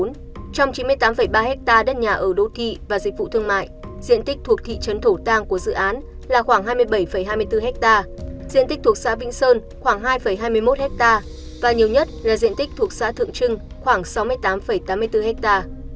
trong chín mươi tám ba ha đất nhà ở đô thị và dịch vụ thương mại diện tích thuộc thị trấn thổ tàng của dự án là khoảng hai mươi bảy hai mươi bốn ha diện tích thuộc xã vĩnh sơn khoảng hai hai mươi một ha và nhiều nhất là diện tích thuộc xã thượng trưng khoảng sáu mươi tám tám mươi bốn ha